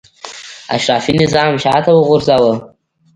اشرافي نظام شاته وغورځاوه.